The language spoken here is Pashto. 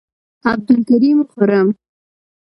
عبدالکریم خرم،